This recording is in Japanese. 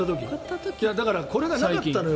だからこれがなかったのよ